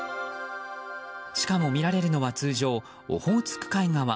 しかも見られるのは通常オホーツク海側。